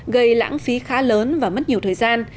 gây lãng phí khá lớn và mất nhiều thời gian